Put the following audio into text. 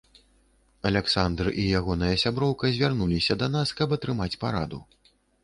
Аляксандр і ягоная сяброўка звярнуліся да нас, каб атрымаць параду.